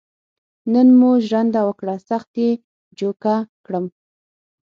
نن مو ژرنده وکړه سخت یې جوکه کړم.